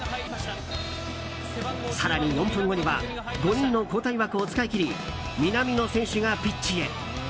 更に４分後には５人の交代枠を使い切り南野選手がピッチへ。